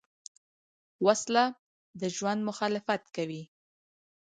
وسله د ژوند مخالفت کوي